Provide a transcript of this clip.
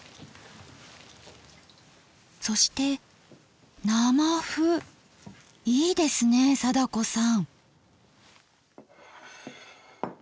そしていいですね貞子さん。